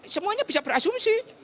semuanya bisa berasumsi